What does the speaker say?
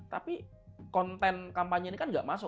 tapi konten kampanye ini kan nggak masuk